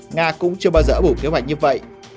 nga cũng chưa bao giờ ở bủ kế hoạch như vậy